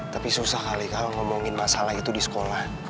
tapi susah kali kamu ngomongin masalah itu di sekolah